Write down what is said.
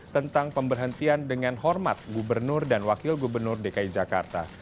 tentang pemberhentian dengan hormat gubernur dan wakil gubernur dki jakarta